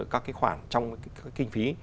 các khoản trong kinh phí